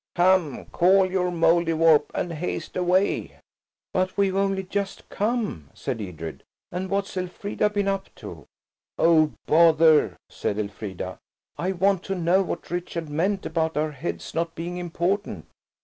Come, call your Mouldiwarp and haste away." "But we've only just come," said Edred, "and what's Elfrida been up to?" "Oh bother!" said Elfrida. "I want to know what Richard meant about our heads not being important."